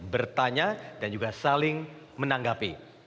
bertanya dan juga saling menanggapi